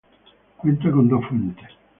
Cuenta con dos fuentes.